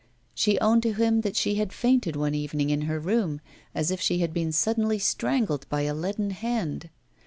She owned to him that she had fainted one evening in her room, as if she had been suddenly strangled by a leaden hand.